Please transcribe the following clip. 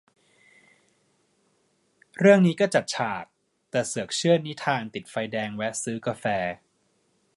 เรื่องนี้ก็จัดฉาก แต่เสือกเชื่อนิทานติดไฟแดงแวะซื้อกาแฟ